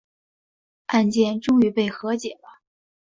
案件最终被和解了。